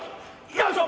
よいしょ！